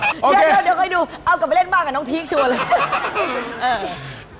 เดี๋ยวเดี๋ยวให้ดูเอากลับมาเล่นบ้างกับน้องทีคชัวร์เลย